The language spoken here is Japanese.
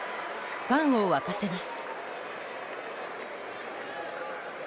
ファンを沸かせます。